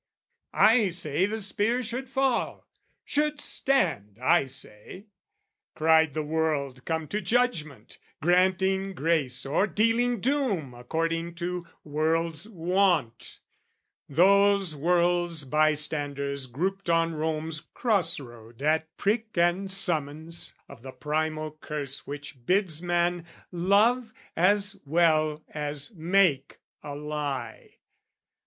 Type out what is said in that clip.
"I say, the spear should fall should stand, I say!" Cried the world come to judgment, granting grace Or dealing doom according to world's wont, Those world's bystanders grouped on Rome's cross road At prick and summons of the primal curse Which bids man love as well as make a lie.